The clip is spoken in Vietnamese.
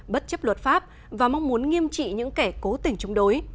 bất chấp luật pháp và mong muốn nghiêm trị những kẻ cố tỉnh chung đối